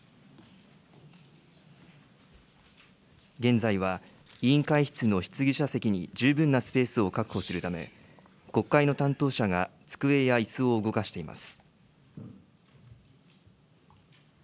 現在は委員会室の質疑者席に十分なスペースを確保するため、国会の担当者が机やいすを動かしています。